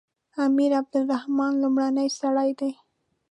امیر عبدالرحمن لومړنی سړی دی.